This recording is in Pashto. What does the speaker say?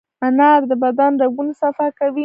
انار د بدن رګونه صفا کوي.